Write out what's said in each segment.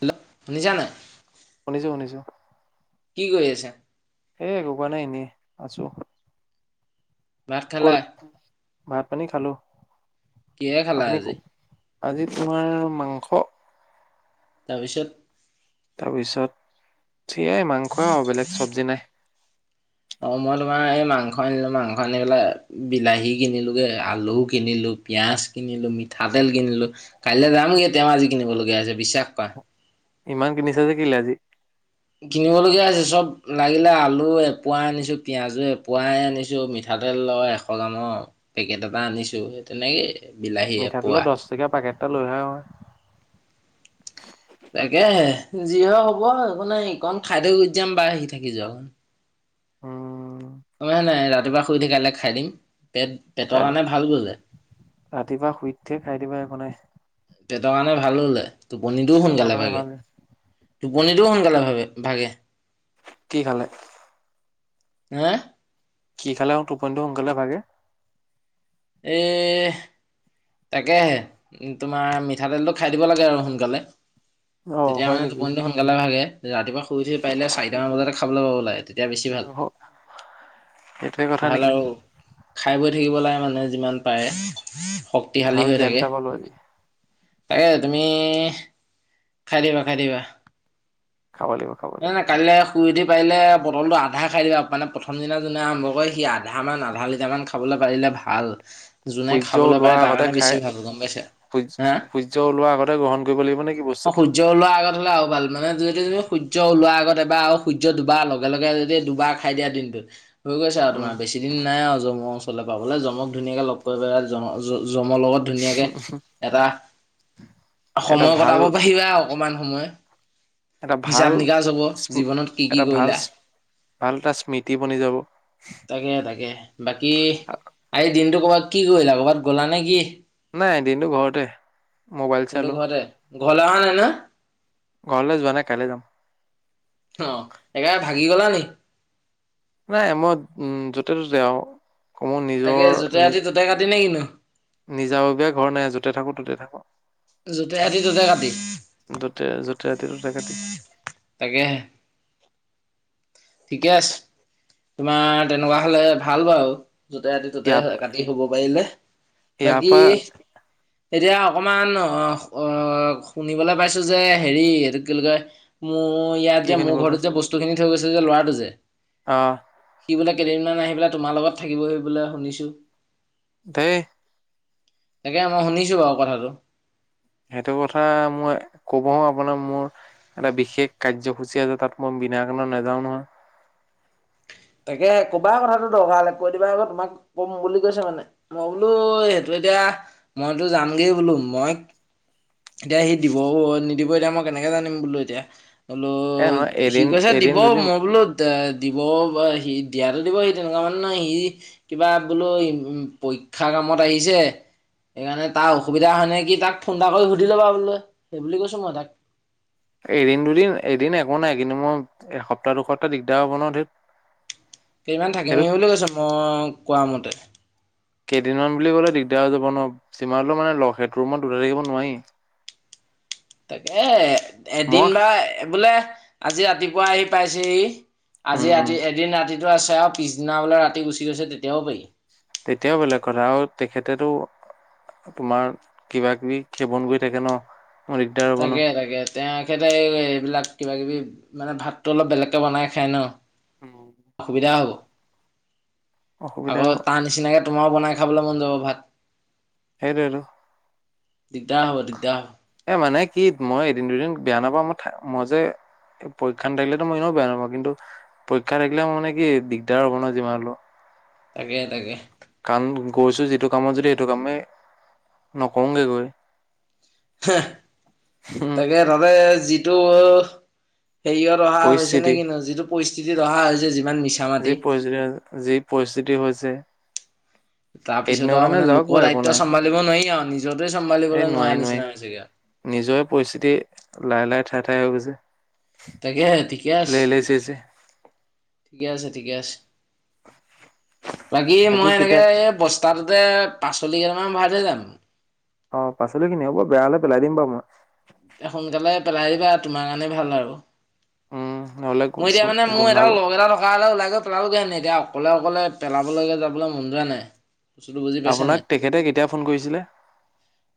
Hello, শুনিছো-শুনিছো। কি কৰি আছা? সেই এক একো কোৱা নাই এনেই আছো ভাত ক'ত খালা? আছে? ভাত পানী খালো। কিহেৰে খালা আপুনি আজি? ক- আজি তোমাৰ মাংস। তাৰপিছত। তাৰপিছত সেয়াই মাংস আৰু বেলেগ চবজি নাই। অ, মই তোমাৰ এই মাংস আনিলো মাংস আনি পেলাই বিলাহী কিনিলোগে আলু কিনিলো পিয়াজ কিনিলো মিঠাতেল কিনিলো কাইলৈ যামগে তেওঁ আজি কিনিব লোগীয়া হৈছে বিশ্বাস কৰা। ইমান কিনিছা কেলে আজি? কিনিব লোগীয়া হৈছে চব লাগিলে আলু এপুৱাই আনিছো পিয়াজো এপুৱাই আনিছো মিঠা মিঠাতেল লগৰ এশ গ্ৰামৰ পেকেট এটা আনিছো, সেই তেনেকেই বিলাহী মিঠাতেলৰ এপোৱা দহ টকীয়া পেকেটটা লৈ আহা হয়। তাকে যি হয় হ'ব সেই নেকোণা খাই থয় গুচি যাম বাৰ আহি থাকি যোৱা উম, হৈ নাই ৰাতিপুৱা শুই উঠি কাইলৈ খাই দিম। পেট - পেটৰ কাইলে কাৰণে ভাল বোলে। ৰাতিপুৱা শুই উঠিয়ে খাই দিবা একো নাই। পেটৰ কাৰণে ভাল হ'লে, টোপনিটোও পেটৰ সোনকালে কাৰণে পাবি। ভাল টোপনিটোও সোনকালে ভাগে। কি খালে? হা? কি খালে টোপনটো সোনকালে ভাগে? এ তাকেহে তোমাৰ মিঠাতেলটো খাই দিব লাগে আৰু সোনকালে। অ তেতিয়া হয় মানে নেকি টোপনিটো সোনকালে ভাগে যে ৰাতিপুৱা শুই থঠ পাৰিল চাৰিট মান বজাতে খাবলৈ পাব এতিয়া বেছি ভাল অ' সেইটোৱে কথা ভাল নেকি আৰু খাই বৈ থাকিব মানে যিমান পাৰে। শক্তিশালী ভাল হৈ থাকে। জ্ঞানটা পালো আজি। তাকে তুমি খাই দিবা - খাই দিবা। খাব লাগিব খাব [unintelligible] লাগিব নাই কাললৈ শুই উঠি পাৰিলে বটলটো আধা খাই দিবা মানে প্ৰথম দিনা যোনে আৰম্ভ কৰে সি আধা মান আধা লিটাৰ মান খাবলৈ পাৰিলে ভাল যোনে সূৰ্য খাবলৈ পায় তাৰ কাৰণে বেছি ভাল গম পাইছা। হা সূয-সূৰ্য ওলোৱা আগতে গ্ৰহণ কৰিব লাগিব নে কি বচ অ, সূৰ্য উলোৱা আগত হ'লে আৰু ভাল মানে যদি সূৰ্য ওলোৱাৰ আগত এবাৰ সূৰ্য দুবাৰ লগে লগে যদি দুবাৰ খাই দিয়া দিনটোত। হৈ গৈছে আৰু উম, তোমাৰ বেছি দিন নাই আৰু জম লে পাবলৈ জমক ধুনীয়াকৈ লগ কৰিব পেল জম-জ-জমৰ লগত ধুনীয়াকে এটা এটা সময় ভাল কটাব পাৰিবা অকমান সময়। এটা ভাল হিচাপ নিকাচ হব জীৱনত কি কি এটা ভাল কৰিলা। ভাল এটা স্মৃতি বনি যাব। তাকে তাকে, বাকী আ দিনতটো কৰ'বাত কি কৰিলা কৰ'বাত গলা নে কি। নাই দিনটো ঘৰতে। মোবাইল কিন্তু চালো ঘৰতে, ঘৰলৈ অহা নাই ন? ঘৰলে যোৱা নাই কাইলে যাম। অ' এককাৰে ভাগি গলা নি। নাই মই উম য'তে ত'তে আৰু ক মোৰ নিজৰ তাকে য'তে নি ৰাতি ত'তে কাটি নে কিনো নিজাববীয় ঘৰ নাই য'তে থাকো ত'তে থাকোঁ। য'তে ৰাতি ত'তে কাটি দুতে যতে ৰাতি দুটা কাটি। তাকেহে ঠিকে আছে, তোমাৰ তেনেকুৱা হলে ভাল বাৰু। য'তে ৰাতি ত'তে ইয়াৰ কাটি শুব পাৰিলে, ইয়াৰ বাকী পৰা এতিয়া অকমান অ', অহ, শুনিবলৈ পাইছো যে হেৰি এইটো কি কয়? মোৰ ইয়াত কি যে মোৰ শুনিব ঘৰত যে বস্তু খিনি থৈ গৈছে যে ল'ৰাটো যে। অহ, সি বোলে কেইদিনমান আহি পেলাই তোমাৰ লগত থাকিবহি বোলে শুনিছো। দেই। তাকে মই শুনিছো বাৰু কথাটো। সেইটো কথা মই ক'ব হ আপোনাৰ মোৰ এটা বিশেষ কাৰ্যসূচী আছে তাত মই বীণা কাণত নাযাও নহয়। তাকে কবাৰ কথাটো দৰকাৰ হলে কৈ দিবা আকৌ তোমাক কম বুলি কৈছে মানে মই বোলো সেইটোয়ে। তেতিয়া মইতো যামগেই বোলো মই এতিয়া সি দিব নিদিব এতিয়া মই কেনেকে জানিম বোলো এতিয়া। বোলো এ নহয় সি এদিন কৈছে এদিন দিব দুদিন মই বোলো দিবি বা সি, দিয়াতটো দিব সি তেনেকুৱা মানে নহ সি কিবা বোলো উম পৰীক্ষা কামত আহিছে। সেইকাৰণে তাৰ অসুবিধা হয় নে কি তাক ফোন এটা কৰি সুধি লবা বোলে, সেইবুলি কৈছো মই তাক। এদিন দুদিন এদিন একো নাই কিন্তু মই এসপ্তাহ দুসপ্তাহ দিগদাৰ হ'ব ন ধেত। কেইদমান থাকিম সেইটোত বুলি কৈছো মই কোৱা মতে। কেইদিনমান বুলি কলে দিগদাৰ হৈ যাব ন যিমানো মানে ল সেইটো ৰুমত দুটা থাকিব নোৱাৰি। তাকে এদিন মই বা বোলে আজি ৰাতিপুৱা আহি পাইছেহি। আজি উম ৰাতি এদিন ৰাতিটো আছে আৰু পিছদিনা বোলে ৰাতি গুচি গৈছে তেতিয়াও পাৰি। তেতিয়াও বেলেগ কথা আৰু তেখেতেতো, তোমাৰ কিবা কিবি খেৱন কৰি থাকে ন। মোৰ দিগদাৰ হ'ব ন তাকে তাগে। তে সেতে এইবিলাক কিবা কিবি মানে ভাতটো অলপ বেলেগকে বনাই খায় ন। অসুবিধা হ'ব। অসুবিধা আকৌ তাৰ নিচিনাকে তোমাৰো বনাই খাবলৈ মন যাব ভাত। হাইটিয়েটো। দিগদাৰ হ'ব দিগদাৰ হ'ব এ মানে কি মই এদিন দুদিন বেয়া নাপাওঁ মই মই যে এই পৰীক্ষা ন থাকিলেতো মই এনেও বেয়া নহাপ কিন্তু পৰীক্ষা থাকিলে মই মানে কি দিগদাৰ হ'ব নহয় যিমান হলেও। তাকে তাকে। কণ গৈছো যিটো কামত যদি সেইটো কামেই নকৰোগে গৈ। তাকে তাতে যিটো সেৰিয় অহা হৈছে নে পৰিস্থিতি কিন্তু যিটো পৰিস্থিতি ৰহা হৈছে যিমান মিছা মাটি। চিতিফ হৈছে। তাৰ পিছত এদিনৰ আৰু কাৰণে মানে যাওক লোকৰ বাৰু একো দায়িত্ব নাই চম্ভালিব নোৱাৰি আৰু। নিজতে এই চম্ভালিবলৈ নোৱাৰা নোৱি নিচিনা হৈছেগে আৰু। নোৱাৰি নিজৰে পৰিস্থিতি লাই-লাই ঠাই-ঠাই হৈ গৈছে। তাকে ঠিকে আছে, লেই লেই চেই চেই ঠিকে আছে, ঠিকে আছে। বাকী মই এনেকে এই বস্তাটোতে। পাচল্ল কৈইডালমান ভাৰাই থয় যাম। অ পাচলি কিনি হ'ব বেয়া হ'লে পেলাই দিম বাৰু মই। এয়া সোনকালে পেলাইদিবা তোমাৰ কাৰণে ভাল আৰু। উম। নহ'লে মই এতিয়া মানে মোৰ এটা গোন্ধাব লগ এটা থকা হ'লে ওলাই গৈ। পেলালোগে হে এতিয়া অকলে অকলে পেলাবলৈকে যাবলৈ মন যোৱা নাই। বস্তুতটো বুজি পাইছানে আপোনাক নাই, তেখেতে কেতিয়া ফোন কৰিছিলে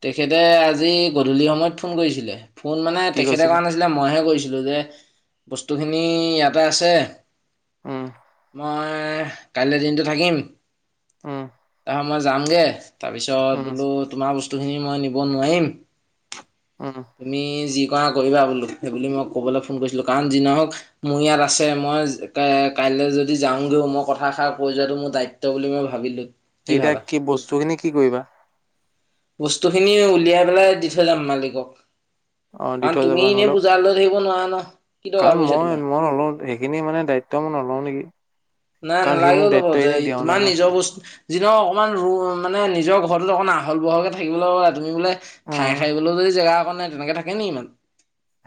তেখেতে আজি গধূলি সময়ত ফোন কৰিছিলে, ফোন মানে কি তেখেতে কৈছিলে কৰা নাছিল, মই হে কৰিছিলোঁ যে বস্ত বস্তুখিনি ইয়াতে আছে, উম, মই কাইলৈ দিনটো থাকিম। উম, আ, মই যামগে, তাৰপিছত উম, বোলো তোমাৰ বস্তুখিনি মই নি নিব নোৱাৰিম, উম তুমি যি কৰা কৰিবা বো সেইবুলি মই ক'বলৈ ফোন কৰিছিলোঁ, কাৰণ যি নহওঁক মোৰ ইয়াত আছে মই কা-কাইলৈ যদি যাওঁগেয়ো মই কথাষাৰ কৈ যোৱাটো মোৰ দায়িত্ব বুলি ত মই ভাবিলো। এইটা কি বস্তুখিনি কি কৰিবা। বস্তুখিনি উলিয়াই পেলাই দি থৈ যাম মালিকক। অ', দি কাৰণ থৈ তুমি যাবা এনেই নহ'লে বোজা লৈ থাকিব নোৱাৰা ন' কি কাৰণ দৰকাৰ পৰিছে, মই তোমাৰ? মই নলওঁ সেইখিনি মানে দায়িত্ব মই নলওঁ নেকি? নাই কাৰণ সি মোক নালগেও ল'ব দায়িত্ব খিনি দিয়াও তোমাৰ নাই ন নিজৰ বচ যি, নহওঁক অকণমান ৰু মানে নিজৰ ঘৰতোটো অকণ আহল বহলকে থাকিব লগা তুমি বোলে ঠাই উম সাৰিব লৈয়ো যদি জেগা অকন নাই তেনেকে থাকে নি ইমান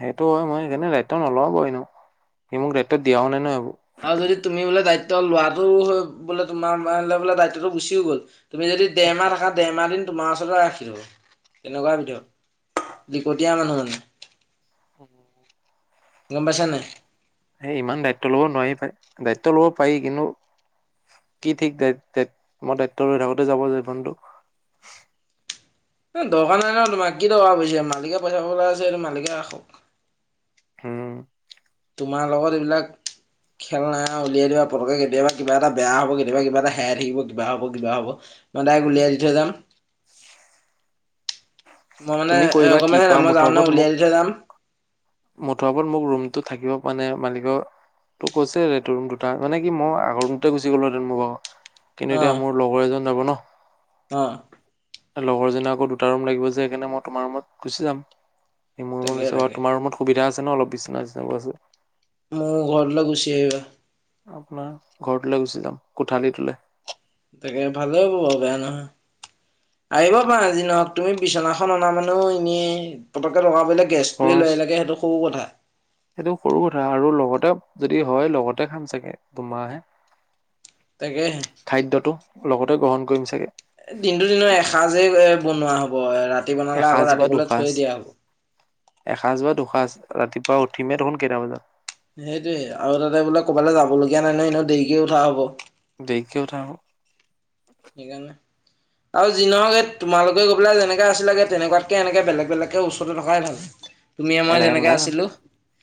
সেইটো হয় মই সেইকাৰণে দায়িত্ব নলও সি মোক দায়িত্ব দিয়াও নাই নহয় এইবোৰ। আৰু যদি তুমি বোলে দায়িত্ব লোৱাটো হৈ বোলে তোমাৰ বোলে দায়িত্বটো গুচিও গ'ল। তুমি যদি দেৰমাহ থাকা, দেৰমাহ দিন তোমাৰ ওচৰতে ৰাখিলোঁ, তেনেকুৱা বিধৰ। লিকটীয়া মানুহ মানে উম। গম পাইছা নাই? এ ইমান দায়িত্ব ল'ব নোৱাৰি প দায়িত্ব ল'ব পাৰি কিন্তু। কি ঠিক দা-দা-মই দায়িত্ব লৈ থাকোঁতে যাব জীৱনটো। দৰকাৰ নাই ন' তোমাক কি দৰকাৰ পঢ়িছে? মালিকে পইচা পাবলৈ আছে মালিকে ৰাখক। হম। তোমাৰ লগত এইবিলাক খেল নাই আৰু উলিয়াই দিবা পটককে কেতিয়াবা কিবা এটা বেয়া হ'ব, কেতিয়াবা কিবা এটা হেৰাই থাকিব কিবা হ'ব, কিবা হ'ব। মই ডাইৰেক্ট উলিয়াই দি থৈ যাম মই মানে তুমি এ কৰিবা গম কি পাইছা কৰা, নাই মই মুঠৰ যাওঁ নে ওপৰত উলিয়াই মোক দি থৈ যাম মুঠৰ ওপৰত মোক ৰুমটো থাকিব মানে মালিকৰ তো, কৈছেৰে তোৰ ৰুম দুটা মানে কি মই আগৰ ৰুম [unintelligible] কিন্তু অ এতিয়া মোৰ লগৰ এজন যাব ন। অ' লগৰজনী আকৌ দুটা ৰুম লাগিব যে, সেইকাৰণে মই তোমাৰ ৰুমত গুচি যাম। সি মোৰ ৰুম তাকে ওচৰত তাকে। তোমাৰ ৰুমত সুবিধা আছে ন অলপ বিচিনা চিচনাবোৰ আছে। মোৰ ঘৰটোলৈ গুছি আহিলোঁ। আপোনাৰ ঘৰটোলৈ গুচি যাম কোঠালি তলৈ। তাকে, ভালে বোলোঁ, বেয়া নহয়। আহিবা পাৰা যি নহওঁক তুমি বিচনাখন অনা মানেও এনে পতকে লগাবলৈ গেছটোৱে খৰচ লৈয়ে আহিলাৰে, সেইটো সৰু কথা। সেইটো সৰু কথা আৰু লগতে যদি হয় লগতে খাম চাগে দুমাহে। তাকেহে খাদ্যটো লগতে গ্ৰহণ কৰিম চাগে। দিনতটো দিনৰ এসাঁজেই, এ বনোৱা হব এ ৰা এসাঁজ বা দুসাঁজ এসাঁজ বা দুসাঁজ ৰাতিপুৱা উঠি মে দেখোন কেটা বজাত সেইটোয়ে আৰু তাতে বোলে ক'বালৈ যাব লগগীয়া নাই নহয় এনে দেৰিকে উঠা হ'ব। দেৰিকে উঠ হব সেইকাৰনে আৰু যি নওক এই তোমালোকে গৈ পেলাই যেনেকে আছিলাগে তেনেকুৱাতকে এনেকে বেলেগ-বেলেগকে ওচৰতে থকাই ভাল। তুমি মই এনেকে যেনেকে থকাই ভাল আছিলো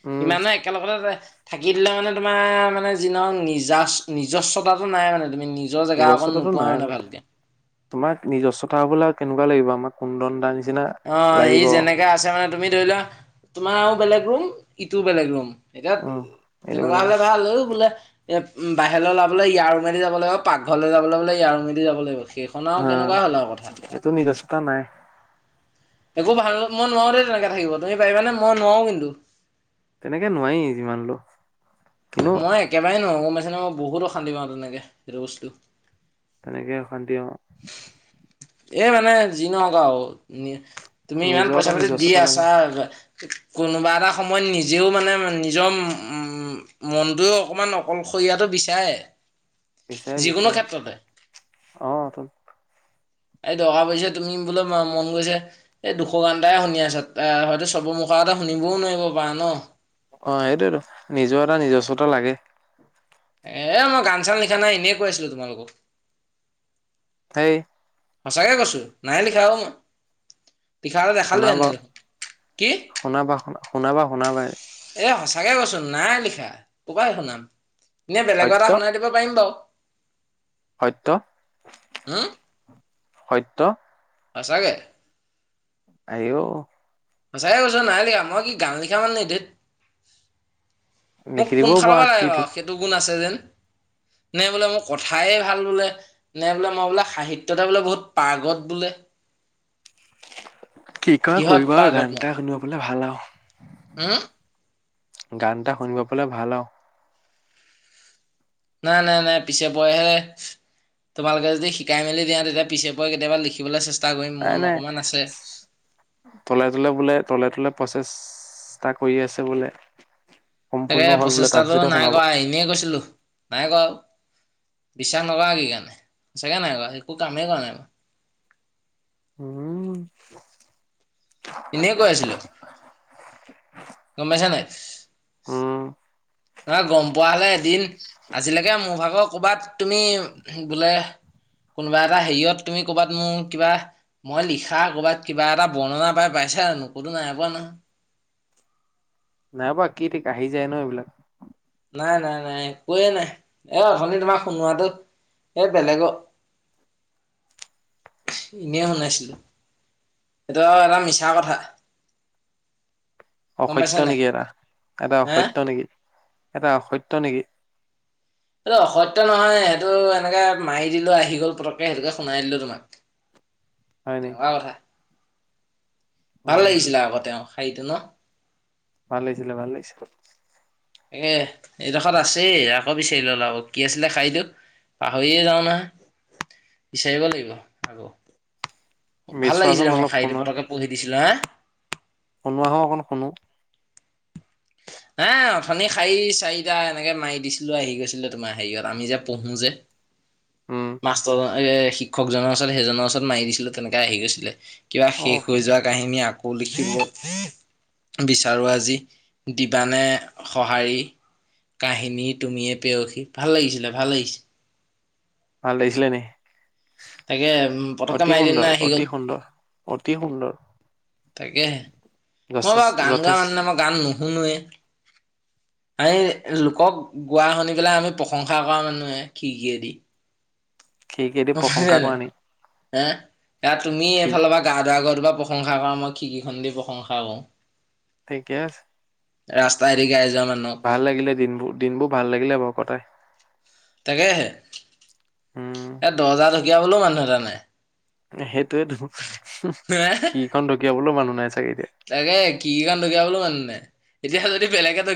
উম ইমান নে একেলগতে থাকি দিলে মানে তোমাৰ মানে যি নৰক নিজ নিজস্বতাটো নাই মানে তমি নিজৰ জেগা অক নিজস্বতাটো নাই তোমাক নিজস্বতা হবলৈ আৰু কেনেকুৱা লাগিব আমাক কোন দণ্ডা নি অ, এই যেনেকাে আছে মানে তুমি ধৰি লোৱা তোমাৰও বেলেগ ৰুম ইটোও বেলেগ ৰুম। এতিয়া উম এনেকুৱা তেনেকুৱা লাগিব হলে ভাল হ বোলে এ বাহিৰলৈওলাবলৈ ইয়াৰ উমেদি যাব লাগিব পাকঘৰলৈ যাবলৈলে ইয়াৰ উমেদদি যাব লাগিব। কেইখন আও হা কেনেকুৱা হ'ল আৰু কথা। এইটো নিজস্বতা নাই একো ভাল মই নোৱাৰও দেই তেনেকে থাকিব তুমি পাৰিবানে মই নোৱাৰও কিন্তু। তেনেকে নোৱাৰেই যিমান হলেও। কিন্তু মই একেবাৰে নহো গমাইছ ন মই বহুত অশান্তি পাওঁ তেনেকে সেইটো বস্তু। তেনেকেই অশান্তি হব। এ মানে যি নহক তুমি ইমান নিজৰ পইচা এটা পাতি দি নিজস্বতা লাগে আছা। কোনোবা এটা সময়ত নিজেও মানে নিজৰ উম, মনটোও অকমান অকলশৰীয়াতটো বিচাৰে। বিচাৰে - যিকোনো ক্ষেত্ৰতে বিচাৰে অতো। এই দৰকা পৰিছে তুমি বোলে মন গৈছে, এই দুশৰ গান এটাই শুনি আছা অ, হয়তো চবৰ মুখ [unintelligible] এটা শুনিবও নোৱাৰিব পাৰা ন? অ' সেইটোয়েতো, নিজৰ এটা নিজস্বতা লাগে। এ মই গান চান লিখা নাই এনেই কৈ আছিলো তোমালোকক। সেই সঁচাকে কৈছো নাই লিখা অ, মই। পিখাতে দেখালো শুনাবা এনে। কি? শুনা ভাই। এ সঁচাকে কৈচো নাই লিখা ক'ৰপা শুনাম, এনেই বেলেগৰ সত্য এটা শুনাই দিব পাৰিম বাৰু। সত্য হুম, সত্য সঁচাকে। আইঔ! সঁচাকে কৈছো নাই লিখা মই কি গান লিখা মানুহ নেকি ঢেত। লিখি দিবও পৰা পাৰা লাগে কি বাৰু ঠিক। সেইটো গুণ আছে যেন? [inaudible] নে বোলে মোৰ কথাই ভাল বোলে, নে বোলে মই বোলে সাহিত্যতে বোলে বহুত পাৰ্গত বোলে। কি কৰে কিহত কৰিব আও, গান এটা শুনিব পালে ভাল আও। হম? গান এটা শুনিব পালে ভাল আৰু। নাই নাই নাই পিছে পয় হে তোমালোকে যদি শিকাই মেলি দিয়া তেতিয়া পিছে পৰে কেতিয়াবা লিখিবলে চেষ্টা কৰিম নাই মন নাই অকমান আছে। তলে তলে বোলে তলে তলে প্ৰচেষ্টা কৰি আছে বোলে। তাকে সম্পূৰ্ণ হ'ল বোলে প্ৰচেষ্টাতটো তাৰপিছতে নাই শুনাব কৰা এনেই কৈছিলো নাই কৰা অ। বিশ্বাস নকৰা কি কাৰণে বিশ্বাসে নাই কৰা একো কামেই কৰা নাই মই উম এনে কৈ আছিলো গম পাইছা নাই উম নাহ গম পোৱা হলে এদিন আজিলৈকে মোৰ ভাগৰ ক'ৰবাত তুমি বোলে কোনোবা এটা হেৰিয়ত তুমি কৰ'বাত মোৰ কিবা মই লিখা ক'বাত কিবা এটা বৰ্ণনা পাই পাইছ যানো ক'তো নাই পোৱা নহয়। নাই পোৱা কি ঠিক আহি যায় ন এইবিলাক। নাই নাই নাই একোৱে নাই এই অথনি তোমাক শুনোৱাটো এই বেলেগ [inaudible] এনেই শুনাইছিলো। সেইট এটা মিছা কথা। গম অসত্য পাইছা নাই নেকি এটা, এটা হা অসত্য নেকি? এটা অসত্য নেকি? এইটো অসত্য নহয় সেইটো এনেকে মাৰি দিলো আহি দিঘল পতককে সেইটোকে শুনাই দিলো তোমাক, হয় নি তেনেকা কথা। ভাল উম, লাগিছিলে আগতে অ শাইটো ন? ভাল লাগিছিলে ভাল লাগিছিলে। এ এইডখত আছেই আকৌ বিচাৰি লল আও কি আছিলে শাইটো। পাহৰিয়ে যাও না বিচাৰিব লাগিব আকৌ। ভাল মেচোৱাজন লাগিছিলে মই অলপ শাইটো শুনা পতকে পঢ়ি দিছিলো, হা? শুনোৱা হো অকণ শুনো। হে অথনি শাৰী চাৰিটা এনেকে মাৰি দিছিলো আহি গৈছিলে তোমাৰ হেৰিয়ত আমি যে পঢ়ো যে। [inaudible] মাষ্টৰ শিক্ষকজনৰ ওচৰত সেইজনৰ ওচৰত মাৰি দিছিলে তেনেকে আহি গৈছিলে। কিবা অ' শেষ সি হৈ যোৱা কাহিনী আকৌ লিখিব বিচাৰোঁ আজি দিবানে সঁহাৰি কাহিনী তুমিয়ে পেৰসী ভাল লাগিছিলে ভাল লাগিছে। ভাল লাগিছিলে নি? তাকে উম পতককে অতি মাৰি দিনা সুন্দৰ, আহি গ'ল অতি সুন্দৰ, অতি সুন্দৰ তাকেহে মই যথেষ্ট বাৰু গান গোৱা যথেষ্ট মান নে মই গান নুশুনোৱে [inaudible] আমি লোকক গোৱা শুনি পেলাই আমি প্ৰশংসা কৰা মানুহে খ কিদৰে খিৰিকিয়েদি প্ৰশংসা জানাই কৰা নি? হ এ তুমি কি এইফালৰ পৰা গা ধোৱা ঘ বা প্ৰশংসা কৰা মই, খিকি খ দি প্ৰশংসা কৰ। ঠিকেই আছে। ৰাস্তা এৰি গাই যাওঁ। ভাল লাগিলে দিনবোৰ দিনবোৰ ভাল লাগিলে বাৰ কটাই। তাকেহে উম, এ দহজাৰ ঢকীয়া হলেও মানুহ এটা নাই। সেইটোয়েতো হে কিখন ঢকিয়াবলৈও মানুহ নাই চাগে এতিয়া। তাকে কি কাৰণ কীয়া বোলো মানে এতিয়া যদি বেলেগে